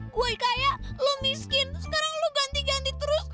kue kayak lo miskin sekarang lo ganti ganti terus